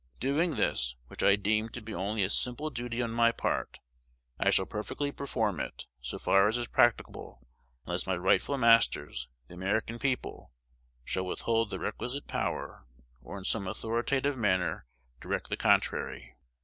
Doing this, which I deem to be only a simple duty on my part, I shall perfectly perform it, so far as is practicable, unless my rightful masters, the American people, shall withhold the requisite power, or in some authoritative manner direct the contrary.